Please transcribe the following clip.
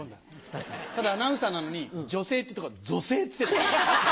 ただアナウンサーなのに「女性」ってとこ「ぞせい」って言ってた。